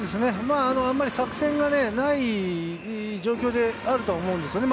あんまり作戦がない状況であるとは思うんですよね。